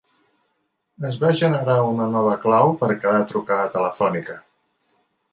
Es va generar una nova clau per a cada trucada telefònica.